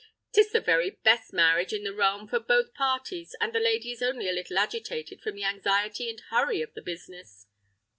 'Tis the very best marriage in the realm for both parties, and the lady is only a little agitated from the anxiety and hurry of the business."